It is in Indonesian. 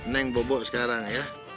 neng bobo sekarang ya